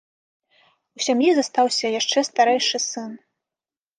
У сям'і застаўся яшчэ старэйшы сын.